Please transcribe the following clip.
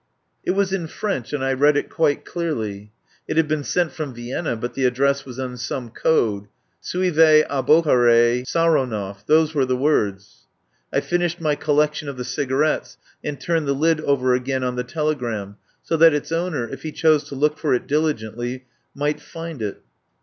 It was in French and I read it quite clearly. It had been sent from Vienna, but the address was in some code. "Suivez a Bokhare Saro nov" — these were the words. I finished my collection of the cigarettes, and turned the lid over again on the telegram, so that its owner, if he chose to look for it diligently, migKi find it.